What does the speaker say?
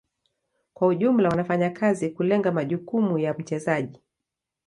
Kwa ujumla wanafanya kazi kulenga majukumu ya mchezaji.